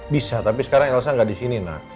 bisa tapi sekarang elsa gak disini nak